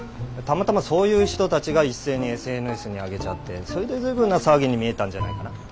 たまたまそういう人たちが一斉にＳＮＳにあげちゃってそれで随分な騒ぎに見えたんじゃないかな。